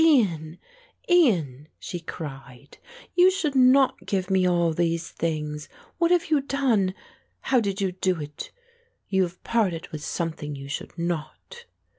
"Ian, Ian," she cried, "you should not give me all these things. What have you done? How did you do it? You have parted with something you should not."